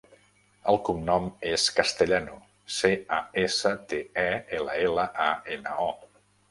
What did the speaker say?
El cognom és Castellano: ce, a, essa, te, e, ela, ela, a, ena, o.